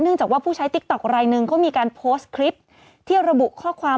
จากว่าผู้ใช้ติ๊กต๊อกรายหนึ่งเขามีการโพสต์คลิปที่ระบุข้อความ